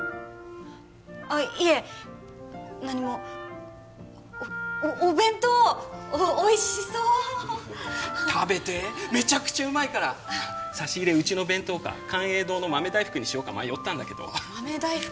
あっいえ何もおお弁当おいしそう食べてメチャクチャうまいから差し入れうちの弁当か寛永堂の豆大福にしようか迷ったんだけど豆大福？